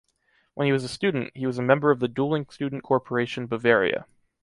When he was a student, he was a member of the dueling student corporation “Bavaria.”